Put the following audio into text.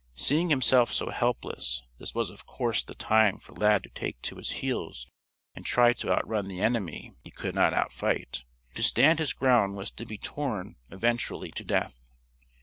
Seeing himself so helpless, this was of course the time for Lad to take to his heels and try to outrun the enemy he could not outfight. To stand his ground was to be torn, eventually, to death.